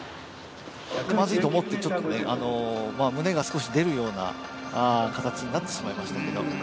まずいと思って胸が少し出るような形になってしまいましたけど。